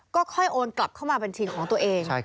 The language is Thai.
ก็ค่อยโอนกลับเข้ามาบัญชีของตัวเอง